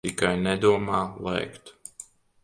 Tikai nedomā lēkt.